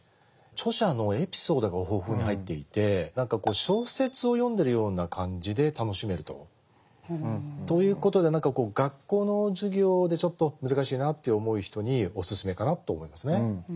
著者のエピソードが豊富に入っていて何かこう小説を読んでるような感じで楽しめると。ということで学校の授業でちょっと難しいなと思う人にお薦めかなと思いますね。